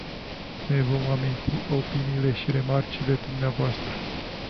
Ne vom aminti opiniile și remarcile dvs.